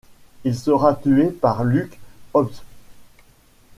Il sera tué par Luke Hobbs.